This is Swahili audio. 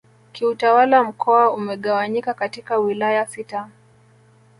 Kiutawala mkoa umegawanyika katika Wilaya sita